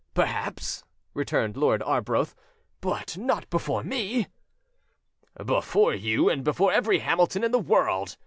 "Perhaps," returned Lord Arbroath, "but not before me!" "Before you and before every Hamilton in the world!"